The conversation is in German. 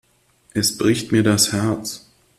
Es bricht mir das Herz.